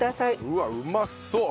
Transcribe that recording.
うわっうまそう！